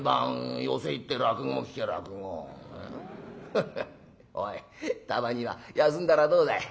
フフッおいたまには休んだらどうだい？」。